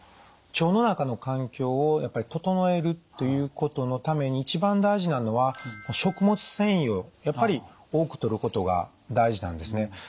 腸の中の環境を整えるということのために一番大事なのは食物繊維をやっぱり多くとることが大事なんですね。